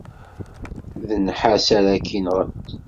D nnḥas ara k-inɣen.